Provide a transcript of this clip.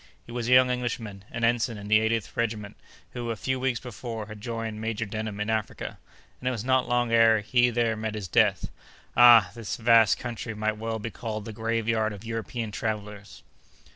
He was a young Englishman, an ensign in the 80th regiment, who, a few weeks before, had joined Major Denham in Africa, and it was not long ere he there met his death. Ah! this vast country might well be called the graveyard of European travellers."